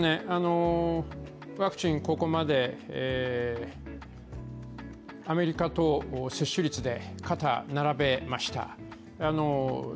ワクチン、ここまでアメリカと接種率で肩を並べました。